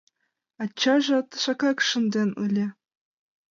Ачаже тышакак шынден ыле.